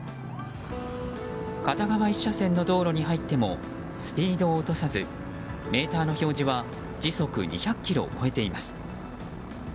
片側１車線の道路に入ってもスピードを落とさずメーターの表示は時速２００キロを超えています。